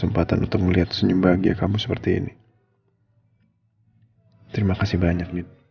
apa lagi yang direncana